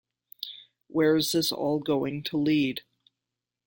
Where is this all going to lead?